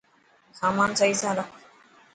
سامان سهي سان رک.